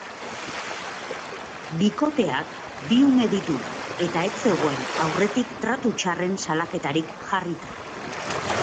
Bikoteak bi ume ditu eta ez zegoen aurretik tratu txarren salaketarik jarrita.